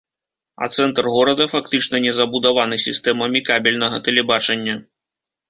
А цэнтр горада фактычна не забудаваны сістэмамі кабельнага тэлебачання.